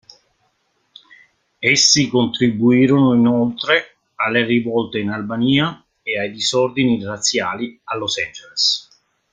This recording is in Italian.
Essi contribuirono inoltre alle rivolte in Albania e ai disordini razziali a Los Angeles.